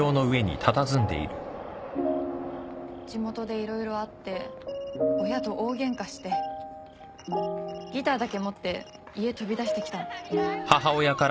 地元で色々あって親と大ゲンカしてギターだけ持って家飛び出してきたの。